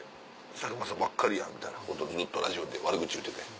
「佐久間さんばっかりや」みたいなことずっとラジオで悪口言うててん。